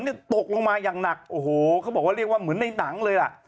นี่ตกลงมาอย่างหนักโอ้โหเขาบอกว่าเรียกว่าเหมือนในหนังเลยล่ะ